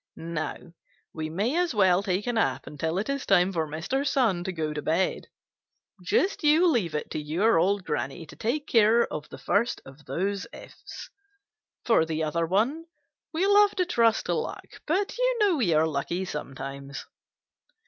Now we may as well take a nap until it is time for Mr. Sun to go to bed. Just you leave it to your old Granny to take care of the first of those ifs. For the other one we'll have to trust to luck, but you know we are lucky sometimes."